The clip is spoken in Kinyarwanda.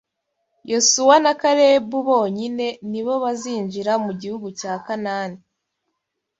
Yosuwa na Kalebu bonyine ni bo bazinjira mu gihugu cya Kanani